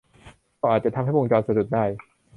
ก็อาจจะทำให้วงจรสะดุดได้